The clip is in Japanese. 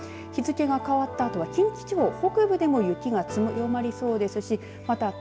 日付が変わったあと近畿地方北部でも雪が強まりそうですしまた